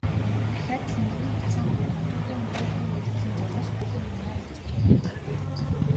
Дахиад л нэгэн бяцхан хүү томчуудын увайгүй үйлдлийн золиос болон амиа алджээ.